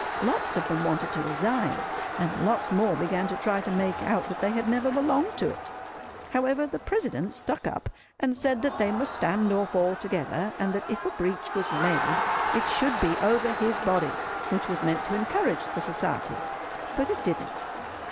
Lots of them wanted to resign, and lots more began to try to make out that they had never belonged to it. However, the President stuck up, and said that they must stand or fall together, and that if a breach was made it should be over his body—which was meant to encourage the Society: but it didn't.